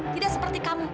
tidak seperti kamu